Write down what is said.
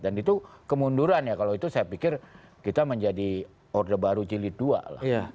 dan itu kemunduran ya kalau itu saya pikir kita menjadi order baru jilid dua lah